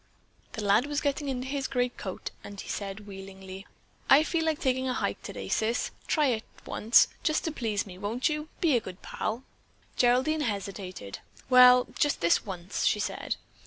The lad was getting into his great coat, and he said wheelingly: "I feel like taking a hike today, Sis. Try it once, just to please me, won't you? Be a good pal." Geraldine hesitated. "Well, just this once," she said.